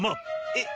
えっ？